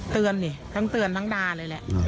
เตือนนี่ทั้งเตือนทั้งด่าเลยแหละ